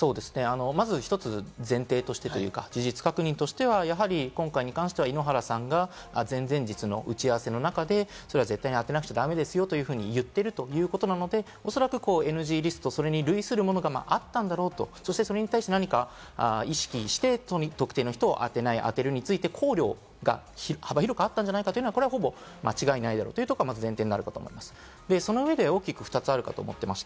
１つ前提としてというか、事実確認として今回に関しては井ノ原さんが前々日の打ち合わせの中で、それは絶対に当てなくちゃいけないですよと言ってるということなので、おそらくＮＧリスト、それに類するものがあったんだろうと、そして、それに対して、意識して特定の人を当てないとか、幅広くあったんじゃないかということは間違いないだろうということが前提になると思います。